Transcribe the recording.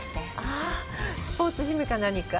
ああスポーツジムか何か？